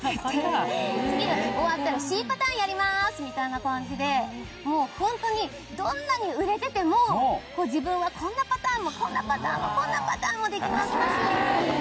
次終わったら「Ｃパターンやります」みたいな感じでもうホントにどんなに売れてても自分はこんなパターンもこんなパターンもこんなパターンもできます。